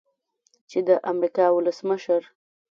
چې د امریکا ولسمشر